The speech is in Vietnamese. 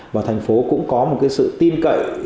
và thành phố cũng có một sự tin cậy